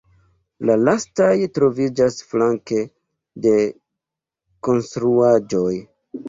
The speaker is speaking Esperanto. La lastaj troviĝas flanke de konstruaĵoj.